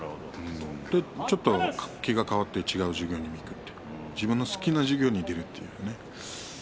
ちょっと気が変わって違う授業に行く自分の好きな授業に出る。